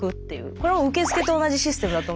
これも受付と同じシステムだと思う。